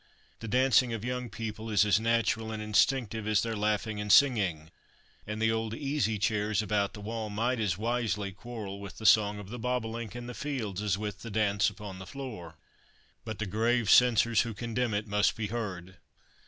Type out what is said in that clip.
The dancing of young people is as natural and instinctive as their laughing and singing, and the old Easy Chairs about the wall might as wisely quarrel with the song of the bobolink in the fields as with the dance upon the floor. But the grave censors who condemn it must be heard.